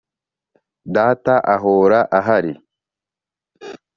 data ahora ahari.”